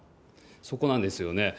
そこなんですよね。